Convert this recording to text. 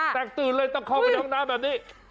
แตกตื่นเลยต้องเข้าไปในห้องน้ำแบบนี้